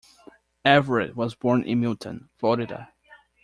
Everett was born in Milton, Florida.